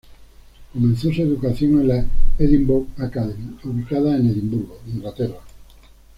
Comenzó su educación en la "Edinburgh Academy" ubicada en Edimburgo, Inglaterra.